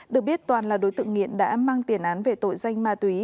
được biết toàn là đối tượng nghiện đã mang tiền án về tội danh ma túy